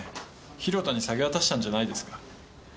広田に下げ渡したんじゃないですか。